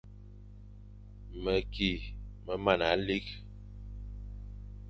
Meki me mana likh.